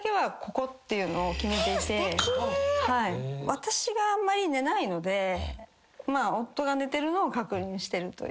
私があんまり寝ないので夫が寝てるのを確認してるという感じです。